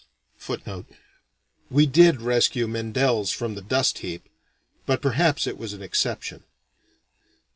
" We did rescue Mendel's from the dust heap; but perhaps it was an exception.